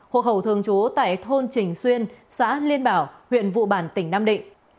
hộ khẩu thường trú tại thôn trình xuyên xã liên bảo huyện vụ bản tỉnh nam định